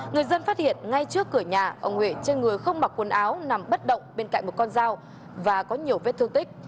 người dân phát hiện ngay trước cửa nhà ông huệ trên người không mặc quần áo nằm bất động bên cạnh một con dao và có nhiều vết thương tích